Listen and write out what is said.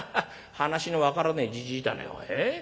話の分からねえじじいだねおい。